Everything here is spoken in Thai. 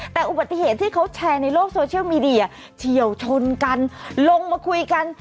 แต่อุบัติเหตุที่เขาแชร์ในโลกโซเชียลมีเดียเฉียวชนกันลงมาคุยกัน